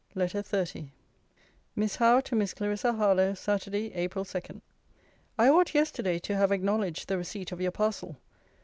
LETTER XXX MISS HOWE, TO MISS CLARISSA HARLOWE SATURDAY, APRIL 2. I ought yesterday to have acknowledged the receipt of your parcel.